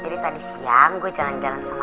jadi tadi siang gue jalan jalan sama lo